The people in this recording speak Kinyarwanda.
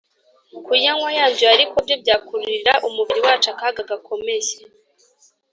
kuyanywa yanduye ariko byo byakururira umubiri wacu akaga gakomeye.